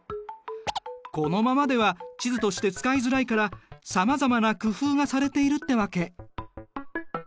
このままでは地図として使いづらいからさまざまな工夫がされているってわけ。